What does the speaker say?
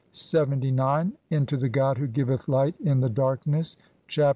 LXXIX), into the god who giveth light in the darkness (Chap.